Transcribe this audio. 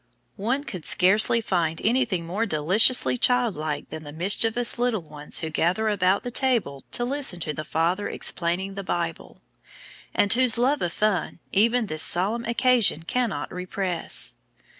One could scarcely find anything more deliciously childlike than the mischievous little ones who gather about the table to listen to the Father Explaining the Bible, and whose love of fun even this solemn occasion cannot repress.